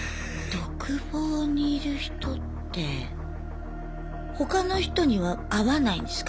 独房にいる人って他の人には会わないんですか？